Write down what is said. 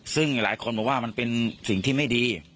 ซึ่งหลายคนบอกว่ามันเป็นสิ่งที่ไม่ดี